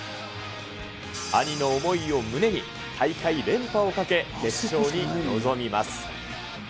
兄の思いを胸に、大会連覇をかけ、決勝に臨みます。